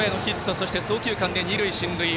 そして送球間で二塁進塁。